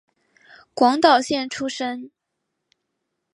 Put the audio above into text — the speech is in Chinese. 广岛县出身。